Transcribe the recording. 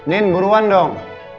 din buruan dong